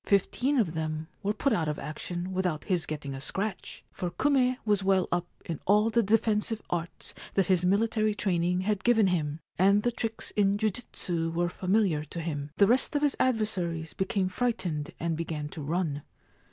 Fifteen of them were put out of action without his getting a scratch, for Kume was well up in all the defensive arts that his military training had given him, and the tricks in jujitsu were familiar to him. The rest of his adversaries became frightened and began to run.